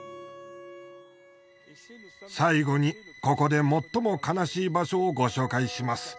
最後にここで最も悲しい場所をご紹介します。